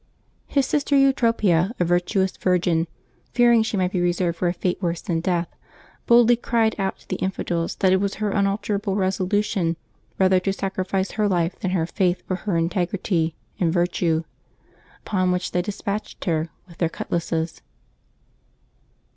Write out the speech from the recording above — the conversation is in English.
His sister Eutropia, a virtuous virgin, fearing she might be reserved for a fate worse than death, boldly cried out to the infidels that it was her unalterable resolution rather to sacrifice her life than her faith or her integrity and virtue. Upon which they despatched her with their cutlasses.